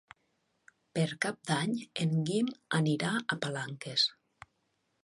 Per Cap d'Any en Guim anirà a Palanques.